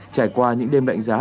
trải qua những đêm đạnh giá